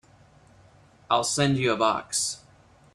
I'll send you a box.